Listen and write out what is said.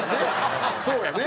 そうやね。